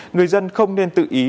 người dân không nên tự ý